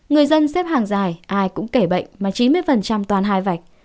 người dân xếp hàng dài ai cũng kể bệnh mà chín mươi toàn hai vạch